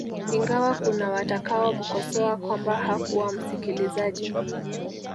Ingawa kuna watakao mkosoa kwamba hakuwa msikilizaji